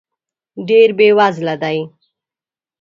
ډېر بې وزله دی .